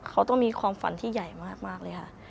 เขาต้องมีความฝันที่ใหญ่มากเลยค่ะ